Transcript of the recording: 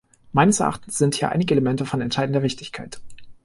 Meines Erachtens sind hier einige Elemente von entscheidender Wichtigkeit.